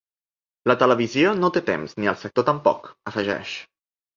La televisió no té temps ni el sector tampoc, afegeix.